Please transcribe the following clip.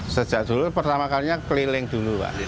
sejak dulu pertama kalinya keliling dulu pak